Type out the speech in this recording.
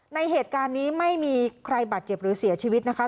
ในเหตุการณ์นี้ไม่มีใครบาดเจ็บหรือเสียชีวิตนะคะ